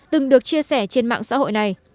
từng được chia sẻ trên mạng xã hội này